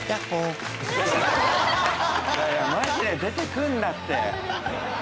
いやいやマジで出てくんなって。